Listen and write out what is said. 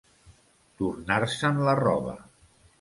Tornar-se'n la roba.